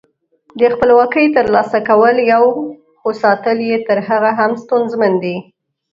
د خپلواکۍ تر لاسه کول یو، خو ساتل یې تر هغه هم ستونزمن دي.